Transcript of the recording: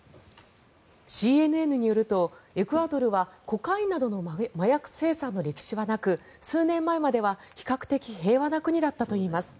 ＣＮＮによるとエクアドルはコカインなどの麻薬生産の歴史はなく数年前までは比較的平和な国だったといいます。